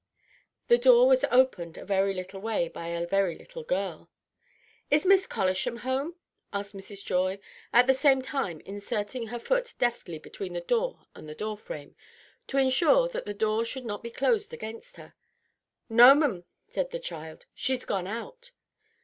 The door was opened a very little way by a very little girl. "Is Miss Collisham at home?" asked Mrs. Joy, at the same time inserting her foot deftly between the door and the door frame, to insure that the door should not be closed against her. "No, 'm," said the child. "She's gone out."